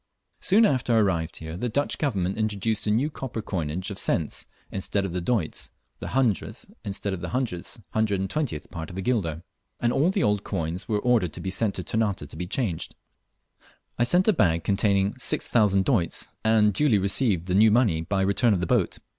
Soon after I arrived here the Dutch Government introduced a new copper coinage of cents instead of doits (the 100th instead of the 120th part of a guilder), and all the old coins were ordered to be sent to Ternate to be changed. I sent a bag containing 6,000 doits, and duly received the new money by return of the boat.